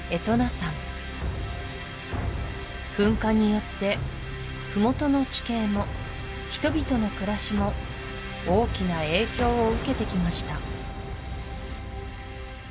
山噴火によって麓の地形も人々の暮らしも大きな影響を受けてきました